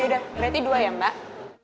berarti dua ya mbak